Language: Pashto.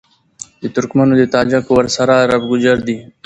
د ترکمــــنــــــو، د تاجـــــــــکــــو، ورســـــره عــــرب گـــوجـــر دي